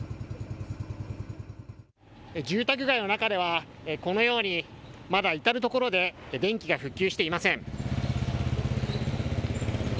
住宅街の中では、このようにまだ至る所で電気が復旧していません。